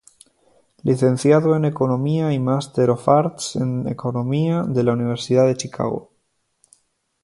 Licenciado en Economía y Master of Arts en Economía de la Universidad de Chicago.